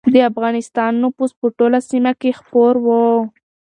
د افغانستان نفوذ په ټوله سیمه کې خپور و.